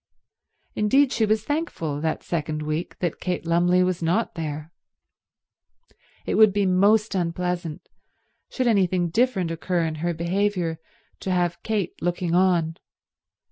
Indeed she was thankful, that second week, that Kate Lumley was not there. It would be most unpleasant, should anything different occur in her behaviour, to have Kate looking on.